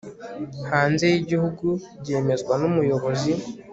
hanze y igihugu byemezwa n umuyobozi